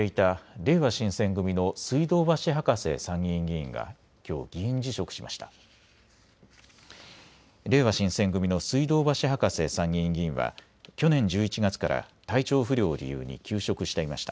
れいわ新選組の水道橋博士参議院議員は去年１１月から体調不良を理由に休職していました。